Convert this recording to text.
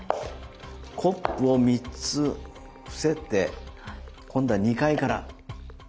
コップを３つ伏せて今度は２階から。